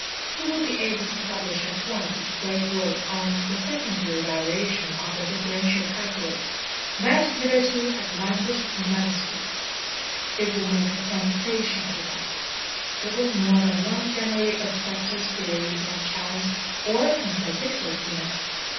He would be able to publish at once his great work on "The Secondary Variation of the Differential Calculus," that hitherto had languished in manuscript. It would make a sensation, he thought; there was more than one generally accepted theory he had challenged or contradicted in it.